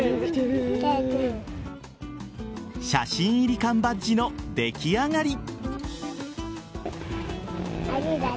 写真入り缶バッジの出来上がり。